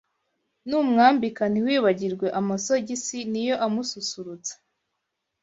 numwambika ntiwibagirwe amasogisi niyo amususurutsa